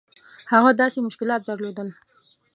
هغه داسې مشکلات درلودل.